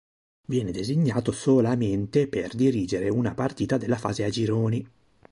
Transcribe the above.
Viene designato solamente per dirigere una partita della fase a gironi.